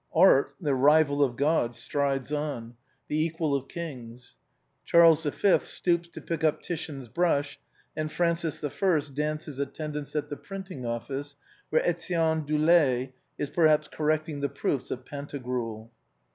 Art, the rival of God, strides on, the equal of kings. Charles V. stoops to pick up Titian's brush, and Francis I. dances attendance at the printing office where Etienne Dolet is perhaps correcting the proofs of " Pantagruel."